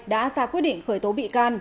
đã ra quyết định khởi tố bị can